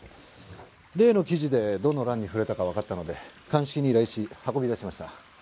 例の記事でどの蘭に触れたかわかったので鑑識に依頼し運び出しました。